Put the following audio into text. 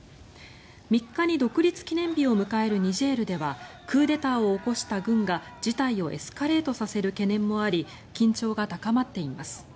３日に独立記念日を迎えるニジェールではクーデターを起こした軍が事態をエスカレートさせる懸念もあり緊張が高まっています。